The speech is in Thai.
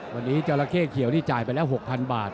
วันนี้จราเข้เขียวนี่จ่ายไปแล้ว๖๐๐๐บาท